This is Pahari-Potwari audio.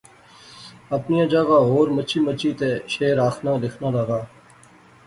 اپنیاں جاغا ہور مچی مچی تے شعر آخنا لیخنا لغا